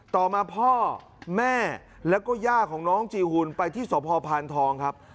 ต่อมาพ่อแม่แล้วก็ย่าของน้องจีหุ่นไปที่สพพานทองครับ